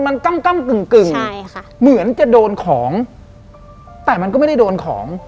มันกั้มกึ่งเหมือนจะโดนของแต่มันก็ไม่ได้โดนของ